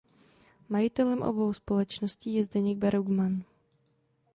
Majitelem obou společností je Zdeněk Bergman.